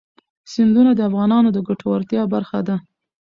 سیندونه د افغانانو د ګټورتیا برخه ده.